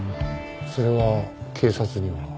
それは警察には？